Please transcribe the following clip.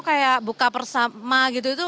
kayak buka persama gitu